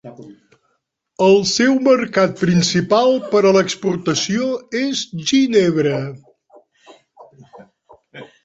El seu mercat principal per a l'exportació és Ginebra.